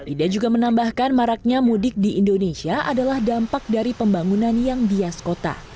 ida juga menambahkan maraknya mudik di indonesia adalah dampak dari pembangunan yang bias kota